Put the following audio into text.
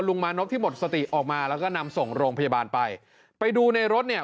มานพที่หมดสติออกมาแล้วก็นำส่งโรงพยาบาลไปไปดูในรถเนี่ย